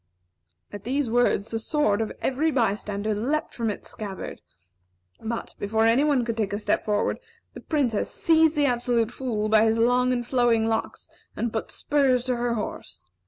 At these words, the sword of every by stander leaped from its scabbard; but, before any one could take a step forward, the Princess seized the Absolute Fool by his long and flowing locks, and put spurs to her horse.